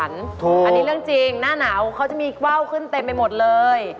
อันนี้เรื่องจริงหน้าหนาวเขาจะมีว้าวขึ้นเต็มไปหมดเลย